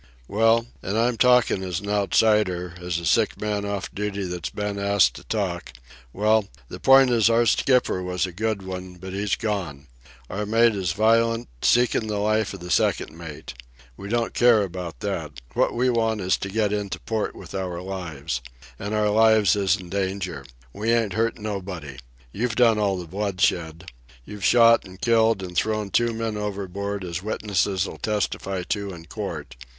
"Well—and I'm talkin' as an outsider, as a sick man off duty that's been asked to talk—well, the point is our skipper was a good one, but he's gone. Our mate is violent, seekin' the life of the second mate. We don't care about that. What we want is to get into port with our lives. An' our lives is in danger. We ain't hurt nobody. You've done all the bloodshed. You've shot an' killed an' thrown two men overboard, as witnesses'll testify to in court.